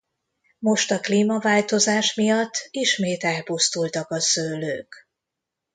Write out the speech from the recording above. Most a klímaváltozás miatt ismét elpusztultak a szőlők.